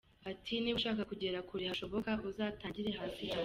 Ati “Niba ushaka kugera kure hashoboka uzatangirire hasi cyane.